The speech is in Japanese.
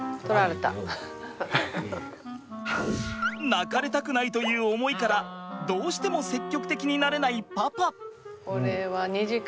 泣かれたくないという思いからどうしても積極的になれないパパ。